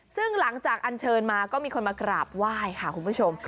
ซึ่งหลังจากอันเชิญมาก็มีคนมากราบไหว้ค่ะคุณผู้ชม